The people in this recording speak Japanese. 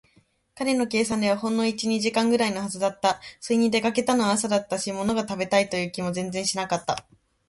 彼の計算ではほんの一、二時間ぐらいのはずだった。それに、出かけたのは朝だったし、ものが食べたいという気も全然しなかった。